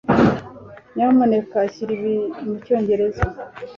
Nyamuneka shyira ibi mucyongereza.